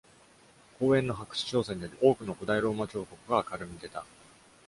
公園の発掘調査により、多くの古代ローマ彫刻が明るみに出た。